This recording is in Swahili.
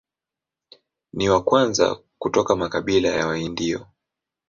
Ni wa kwanza kutoka makabila ya Waindio.